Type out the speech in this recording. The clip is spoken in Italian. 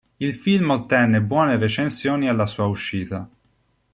Il film ottenne buone recensioni alla sua uscita.